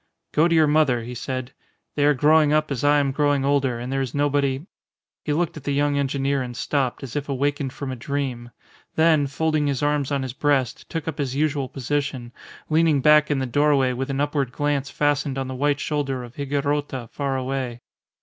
"Go to your mother," he said. "They are growing up as I am growing older, and there is nobody " He looked at the young engineer and stopped, as if awakened from a dream; then, folding his arms on his breast, took up his usual position, leaning back in the doorway with an upward glance fastened on the white shoulder of Higuerota far away.